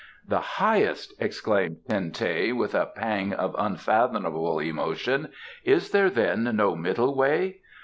"The Highest!" exclaimed Ten teh, with a pang of unfathomable emotion. "Is there, then, no middle way?